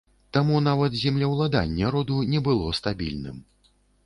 Таму нават землеўладанне роду не было стабільным.